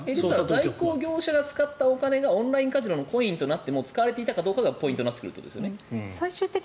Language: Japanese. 代行業者が使ったお金がオンラインカジノのコインとなって使われていたかどうかがポイントになってくるんですよね。